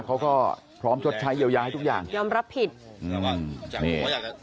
เขาก็พร้อมชดใช้เยียวยาให้ทุกอย่างยอมรับผิดอืมนี่